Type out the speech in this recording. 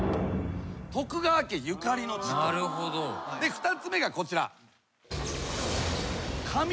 ２つ目がこちら。